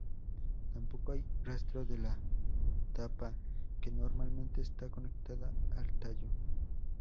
Tampoco hay rastro de la tapa que normalmente está conectada al tallo.